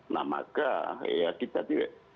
nah maka ya kita tidak